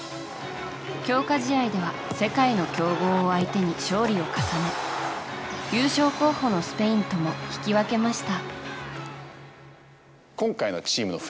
強化試合では世界の強豪を相手に勝利を重ね優勝候補のスペインとも引き分けました。